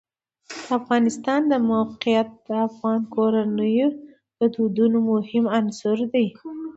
د افغانستان د موقعیت د افغان کورنیو د دودونو مهم عنصر دی.